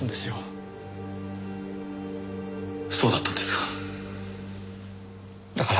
そうだったんですか。